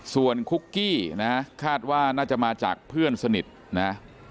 ส่วนคุกกี้นะคาดว่าน่าจะมาจากเพื่อนสนิทนะ